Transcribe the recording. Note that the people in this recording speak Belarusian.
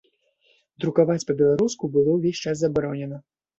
Друкаваць па-беларуску было ўвесь час забаронена.